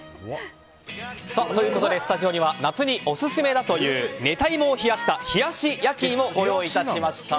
スタジオには夏にオススメだという寝た芋を冷やした冷やし焼き芋、ご用意しました。